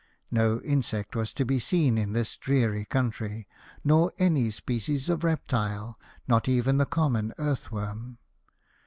No insect was to be seen in this dreary country, nor any species of reptile, not even the common earthworm.